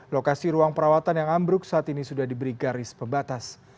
lokasi ruang perawatan yang ambruk saat ini sudah diberi garis pembatas